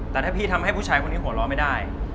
แต่ถ้าพี่ทำให้ผู้ชายคนนี้หัวเราะไม่ได้